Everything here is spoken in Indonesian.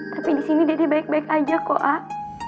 tapi di sini dede baik baik aja kok ah